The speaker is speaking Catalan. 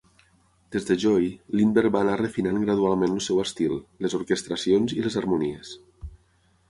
Des de "Joy", Lindberg va anar refinant gradualment el seu estil, les orquestracions i les harmonies.